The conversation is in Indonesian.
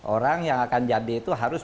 orang yang akan jadi itu harus